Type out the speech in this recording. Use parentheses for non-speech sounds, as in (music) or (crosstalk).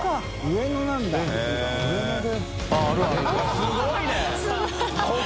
すごい (laughs)